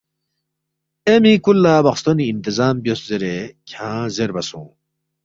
اے مِی کُل لہ بخستونی انتظام بیوس زیرے کھیانگ زیربا سونگ